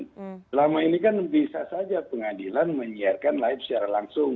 selama ini kan bisa saja pengadilan menyiarkan live secara langsung